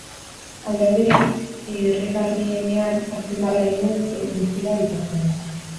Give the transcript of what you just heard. Alderdirik irrigarrienean azpimarra eginez bizi da bitartean.